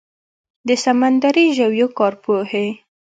د سمندري ژویو کارپوهې